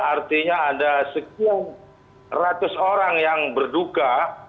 artinya ada sekian ratus orang yang berduka